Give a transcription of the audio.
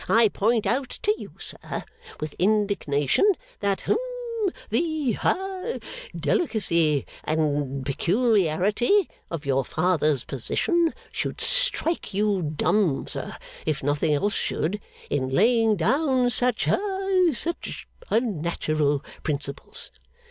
'I point out to you, sir, with indignation, that hum the ha delicacy and peculiarity of your father's position should strike you dumb, sir, if nothing else should, in laying down such ha such unnatural principles.